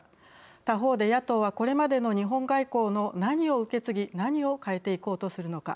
他方で野党はこれまでの日本外交の何を受け継ぎ何を変えていこうとするのか。